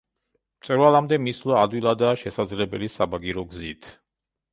მწვერვალამდე მისვლა ადვილადაა შესაძლებელი საბაგირო გზით.